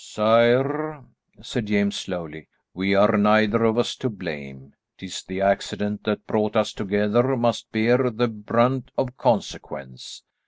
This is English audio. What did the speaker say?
"Sire," said James slowly, "we are neither of us to blame. 'Tis the accident that brought us together must bear the brunt of consequence.